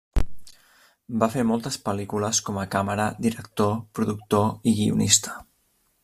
Va fer moltes pel·lícules com a càmera, director, productor, i guionista.